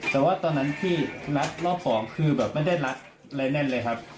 แต่ว่าตอนนั้นที่นัดรอบสองคือแบบไม่ได้รัดอะไรแน่นเลยครับ